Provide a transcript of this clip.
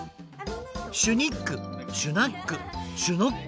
「シュニックシュナックシュノック」。